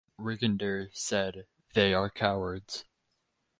Rigondeaux said, "They are cowards".